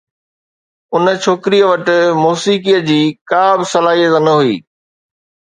ان ڇوڪريءَ وٽ موسيقيءَ جي ڪا به صلاحيت نه هئي.